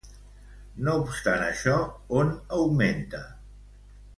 No obstant això, on augmenta?